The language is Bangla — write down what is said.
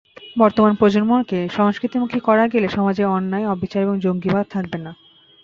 বর্তমান প্রজন্মকে সংস্কৃতিমুখী করা গেলে সমাজে অন্যায়, অবিচার কিংবা জঙ্গিবাদ থাকবে না।